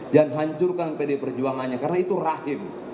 jangan hancurkan pd perjuangannya karena itu rahim